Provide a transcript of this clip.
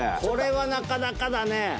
これはなかなかだね。